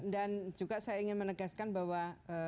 dan juga saya ingin menegaskan bahwa